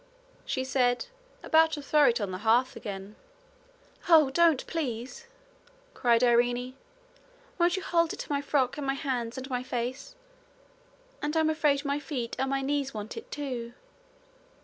she said, about to throw it on the hearth again. 'Oh! don't, please!' cried Irene. 'Won't you hold it to my frock and my hands and my face? And I'm afraid my feet and my knees want it too.'